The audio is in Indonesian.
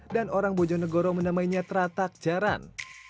dan orang bojonegoro menamainya tratakjaran